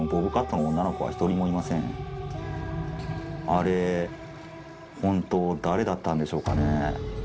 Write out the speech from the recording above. あれ本当誰だったんでしょうかね。